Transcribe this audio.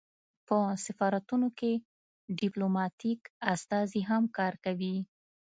په سفارتونو کې ډیپلوماتیک استازي هم کار کوي